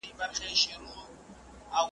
هغه د خپلو اتلانو په خبرو کې د پوهې تنده لیدله.